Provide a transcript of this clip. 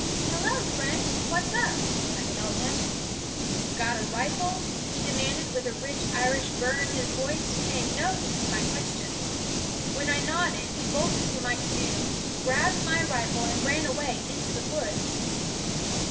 "Hello! friend, what's up?" I hailed him. " Got a rifle ?" he demanded, with a rich Irish burr in his voice, paying no heed to my question. When I nodded he bolted for my canoe, grabbed my rifle, and ran away into the woods.